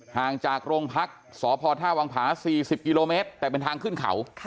ห่างจากโรงพักษ์สพท่าวังผา๔๐กิโลเมตรแต่เป็นทางขึ้นเขา